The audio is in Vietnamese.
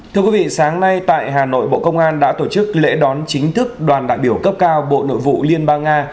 thưa quý vị sáng nay tại hà nội bộ công an đã tổ chức lễ đón chính thức đoàn đại biểu cấp cao bộ nội vụ liên bang nga